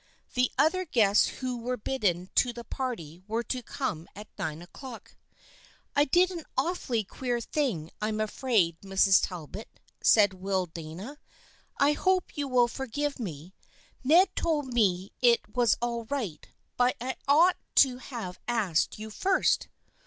The other guests who were bidden to the party were to come at nine o'clock. "I did an awfully queer thing, I'm afraid, Mrs. Talbot," said Will Dana. "I hope you will forgive me. Ned told me it was all right, but I ought to have asked you first."